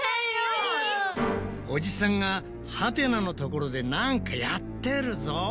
おじさんがハテナのところでなんかやってるぞ。